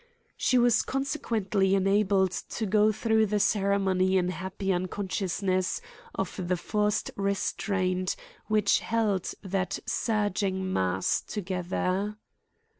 She was consequently enabled to go through the ceremony in happy unconsciousness of the forced restraint which held that surging mass together.